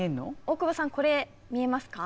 大久保さんこれ見えますか？